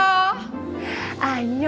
udah berapa tahun ya